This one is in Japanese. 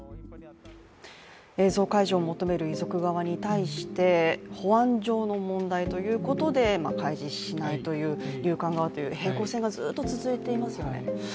映像開示を求める遺族側に対して保安上の問題ということで開示しないという入管側との平行線がずっと続いていますよね。